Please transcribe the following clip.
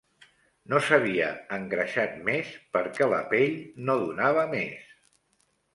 No s'havia engreixat més, perquè la pell no donava més